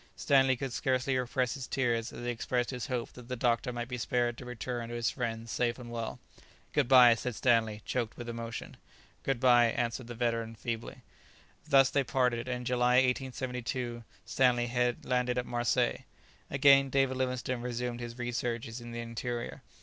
Stanley could scarcely repress his tears as he expressed his hope that the doctor might be spared to return to his friends safe and well. "Good bye!" said Stanley, choked with emotion. "Good bye!" answered the veteran feebly. Thus they parted, and in July, 1872, Stanley landed at Marseilles. Again David Livingstone resumed his researches in the interior.